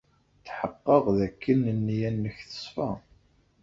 Tḥeqqeɣ dakken nneyya-nnek teṣfa.